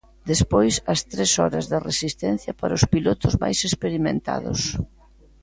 Despois, as tres horas de resistencia para os pilotos máis experimentados.